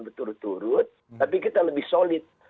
berturut turut tapi kita lebih solid